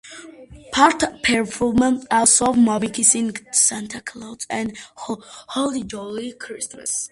Parton performed "I Saw Mommy Kissing Santa Claus" and "Holly Jolly Christmas".